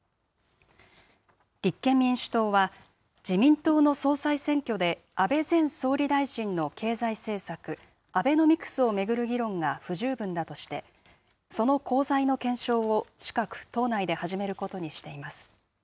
立憲民主党は、自民党の総裁選挙で、安倍前総理大臣の経済政策、アベノミクスを巡る議論が不十分だとして、その功罪の検証を近く、党内で始めることにしています。